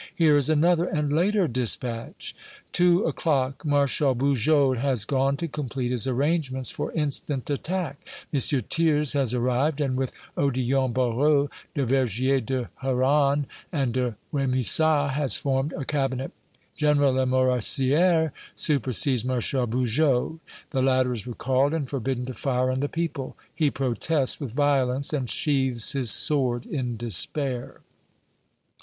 "Here is another and later dispatch." "Two o'clock Marshal Bugeaud has gone to complete his arrangements for instant attack. M. Thiers has arrived, and, with Odillon Barrot, Duvergier de Hauranne and de Remusat, has formed a cabinet. General Lamoricière supersedes Marshal Bugeaud the latter is recalled and forbidden to fire on the people. He protests with violence, and sheathes his sword in despair."